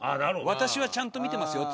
私はちゃんと見てますよって。